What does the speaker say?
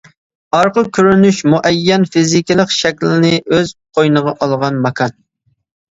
ئارقا كۆرۈنۈش-مۇئەييەن فىزىكىلىق شەكىلنى ئۆز قوينىغا ئالغان ماكان.